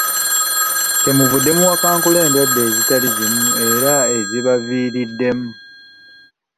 Kyemuvudde muwakankula endwadde ezitali zimu era ezibaviiriddemu.